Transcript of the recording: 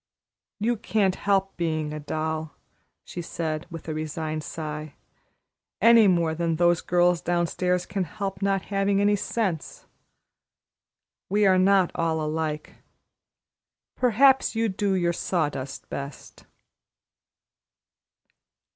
"You can't help being a doll," she said, with a resigned sigh, "any more than those girls downstairs can help not having any sense. We are not all alike. Perhaps you do your sawdust best."